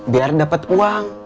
biar dapet uang